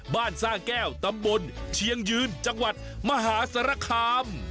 สร้างแก้วตำบลเชียงยืนจังหวัดมหาสารคาม